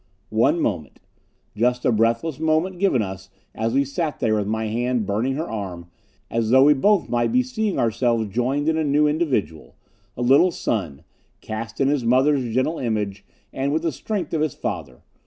Our moment. Just a breathless moment given us as we sat there with my hand burning her arm, as though we both might be seeing ourselves joined in a new individual a little son, cast in his mother's gentle image and with the strength of his father.